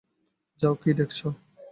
যাও, কী দেখছ?